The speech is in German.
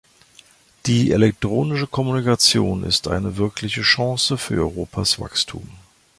Die elektronische Kommunikation ist eine wirkliche Chance für Europas Wachstum.